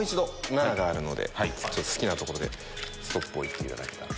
７があるので好きなところでストップを言っていただけたら。